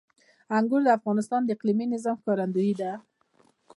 انګور د افغانستان د اقلیمي نظام ښکارندوی ده.